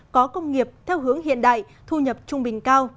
có công nghiệp theo hướng hiện đại thu nhập trung bình cao